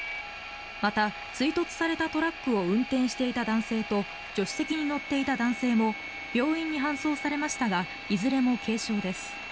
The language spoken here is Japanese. また、追突されたトラックを運転していた男性と助手席に乗っていた男性も病院に搬送されましたがいずれも軽傷です。